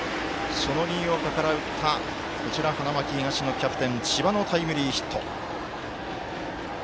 その新岡から打った、花巻東キャプテン、千葉のタイムリーヒット。